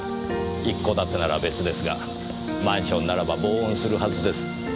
一戸建てなら別ですがマンションならば防音するはずです。